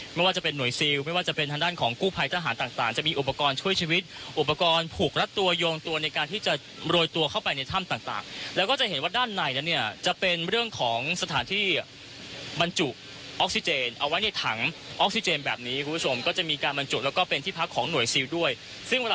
ไม่ว่าจะเป็นหน่วยซิลไม่ว่าจะเป็นทางด้านของกู้ภัยทหารต่างจะมีอุปกรณ์ช่วยชีวิตอุปกรณ์ผูกรัดตัวโยงตัวในการที่จะโรยตัวเข้าไปในถ้ำต่างแล้วก็จะเห็นว่าด้านในนั้นเนี่ยจะเป็นเรื่องของสถานที่บรรจุออกซิเจนเอาไว้ในถังออกซิเจนแบบนี้คุณผู้ชมก็จะมีการบรรจุแล้วก็เป็นที่พักของหน่วยซิลด้วยซึ่งเวลา